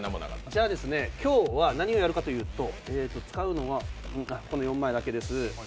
今日は何をやるかというと使うのはこの４枚だけです。